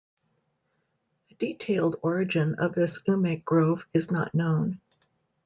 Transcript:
A detailed origin of this ume grove is not known.